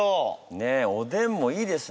ねえおでんもいいですね。